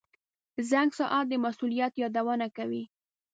• زنګ ساعت د مسؤلیت یادونه کوي.